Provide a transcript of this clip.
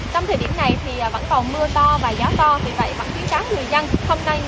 trong thời điểm này vẫn còn mưa to và gió to vì vậy vẫn khiến trán người dân không nên